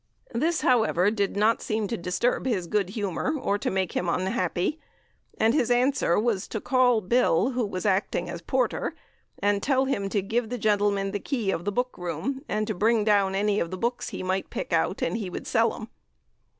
This, however, did not seem to disturb his good humour, or to make him unhappy, and his answer was to call 'Bill,' who was acting as porter, and to tell him to give the gentleman the key of the 'book room,' and to bring down any of the books he might pick out, and he 'would sell 'em.'